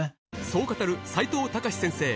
そう語る齋藤孝先生